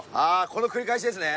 この繰り返しですね。